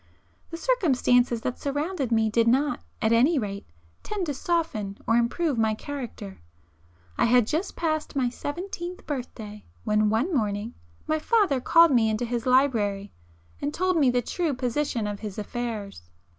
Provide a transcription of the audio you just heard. The circumstances that surrounded me, did not, at any rate, tend to soften or improve my character. I had just passed my seventeenth birthday, when one morning my father called me into his library and told me the true position of his affairs.